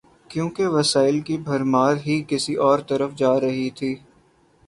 کیونکہ وسائل کی بھرمار ہی کسی اور طرف جا رہی تھی۔